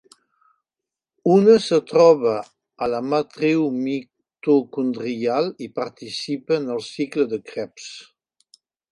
Una es troba a la matriu mitocondrial i participa en el cicle de Krebs.